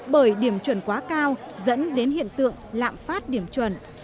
bởi điểm chuẩn quá cao dẫn đến hiện tượng lạm phát điểm chuẩn